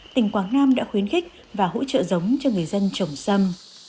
tỉnh quảng nam đã khuyến khích và hỗ trợ giống cho người dân trồng sâm